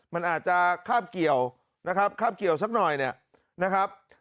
มันอาจจะคาบเกี่ยวนะครับคาบเกี่ยวสักหน่อยเนี่ยนะครับ